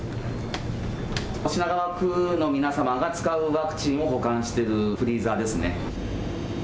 品川区の皆様が使うワクチンを保管しているフリーザーですね。